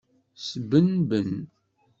Sbenben.